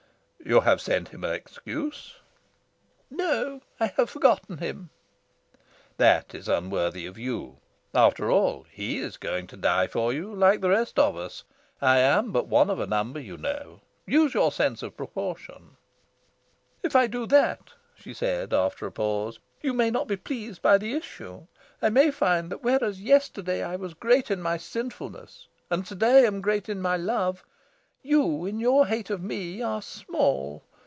"You have sent him an excuse?" "No, I have forgotten him." "That is unworthy of you. After all, he is going to die for you, like the rest of us. I am but one of a number, you know. Use your sense of proportion." "If I do that," she said after a pause, "you may not be pleased by the issue. I may find that whereas yesterday I was great in my sinfulness, and to day am great in my love, you, in your hate of me, are small.